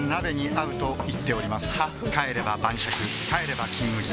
帰れば晩酌帰れば「金麦」